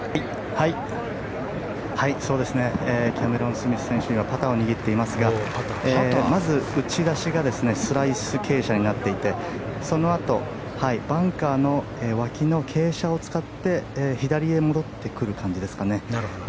キャメロン・スミス選手はパターを握っていますがまず打ち出しがスライス傾斜になっていてそのあとバンカーの脇の傾斜を使って左へ戻ってくる感じですかね。